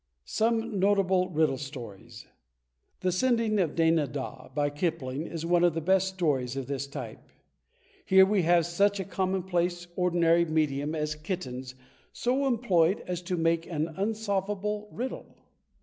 I. Some Notable Riddle Stories "The Sending Of Dana Da," by Kipling, is one of the best stories of this type. Here we have such a commonplace, ordinary medium as kittens, so employed as to make an unsolvable riddle.